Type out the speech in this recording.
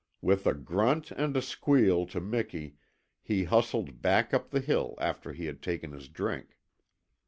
With a grunt and a squeal to Miki he hustled back up the hill after he had taken his drink.